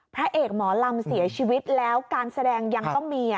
พระเอกหมอลำเสียชีวิตแล้วการแสดงยังต้องมี